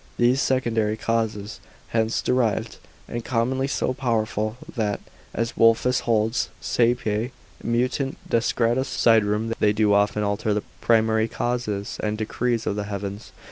These secondary causes hence derived, are commonly so powerful, that (as Wolfius holds) saepe mutant decreta siderum, they do often alter the primary causes, and decrees of the heavens.